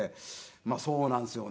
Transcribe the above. まあそうなんですよね。